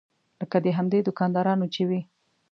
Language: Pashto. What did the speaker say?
لکه د همدې دوکاندارانو چې وي.